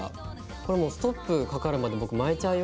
これもうストップかかるまで僕巻いちゃうよ？